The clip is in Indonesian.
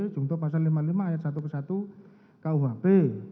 contoh pasal lima puluh lima ayat satu ke satu kuhp